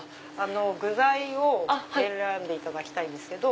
具材を選んでいただきたいんですけど。